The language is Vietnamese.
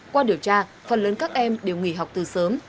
qua điều tra phần lớn các em đều nghỉ học từ sớm